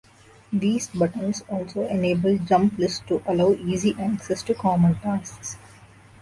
These buttons also enable "Jump Lists" to allow easy access to common tasks.